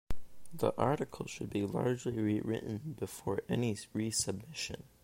The article should be largely rewritten before any resubmission.